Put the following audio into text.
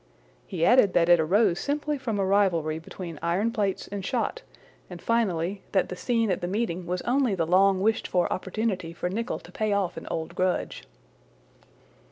He added that it arose simply from a rivalry between iron plates and shot, and, finally, that the scene at the meeting was only the long wished for opportunity for Nicholl to pay off an old grudge.